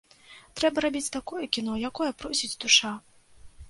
Трэба рабіць такое кіно, якое просіць душа.